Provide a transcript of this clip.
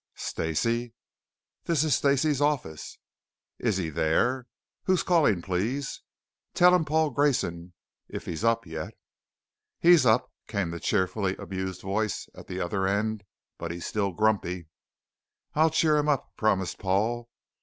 "Stacey?" "This is Stacey's office." "Is he there?" "Who's calling, please?" "Tell him Paul Grayson if he's up yet." "He's up," came the cheerfully amused voice at the other end. "But he's still grumpy." "I'll cheer him up," promised Paul.